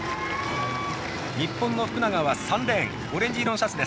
日本の福永は３レーンオレンジ色のシャツです。